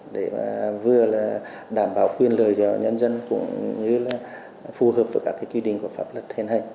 để vừa đảm bảo quyền lời cho nhân dân cũng như phù hợp với các quy định của pháp luật